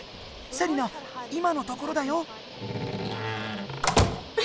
セリナ今のところだよ！